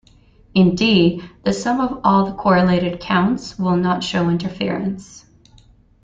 In D, the sum of all the correlated counts will not show interference.